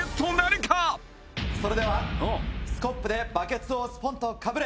それでは「スコップでバケツをスポンとかぶれ！」。